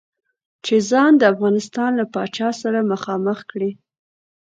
چې ځان د افغانستان له پاچا سره مخامخ کړي.